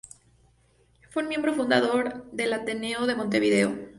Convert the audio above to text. Fue un miembro fundador del Ateneo de Montevideo.